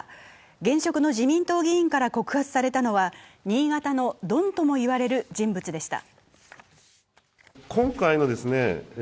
現職の自民党議員から告発されたのは、新潟のドンとも言われる人物でした。